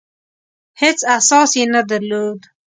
هېڅ اساس یې نه درلود.